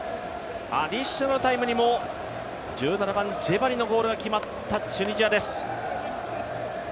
アディショナルタイムにも１７番ジェバリのシュートが決まったチュニジアです。